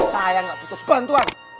saya gak butuh bantuan